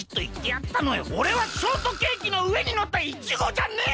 おれはショートケーキのうえにのったイチゴじゃねえ！